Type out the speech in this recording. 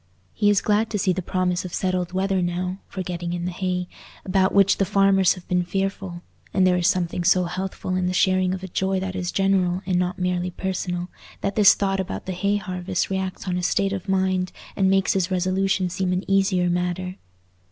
He is glad to see the promise of settled weather now, for getting in the hay, about which the farmers have been fearful; and there is something so healthful in the sharing of a joy that is general and not merely personal, that this thought about the hay harvest reacts on his state of mind and makes his resolution seem an easier matter.